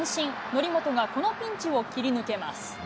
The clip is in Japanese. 則本がこのピンチを切り抜けます。